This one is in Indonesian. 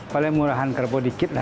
paling murahan kerbau dikit lah